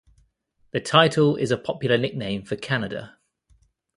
The title is a popular nickname for Canada.